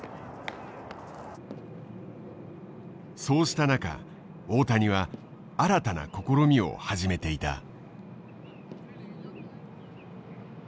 そうした中大谷は新たな試みを始めていた。